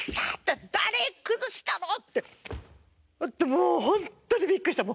もう本当にびっくりした。